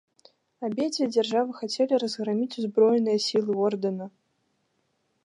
Абедзве дзяржавы хацелі разграміць узброеныя сілы ордэна.